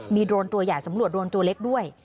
มีโดรนตัวใหญ่สำรวจโดรนตัวเล็กด้วย